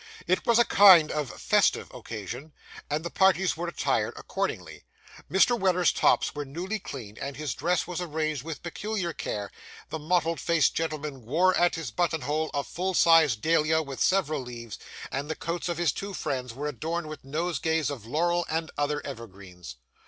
It was a kind of festive occasion, and the parties were attired accordingly. Mr. Weller's tops were newly cleaned, and his dress was arranged with peculiar care; the mottled faced gentleman wore at his button hole a full sized dahlia with several leaves; and the coats of his two friends were adorned with nosegays of laurel and other evergreens.